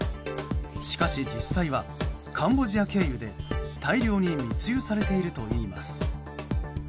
しかし実際は、カンボジア経由で大量に密輸されているといいます。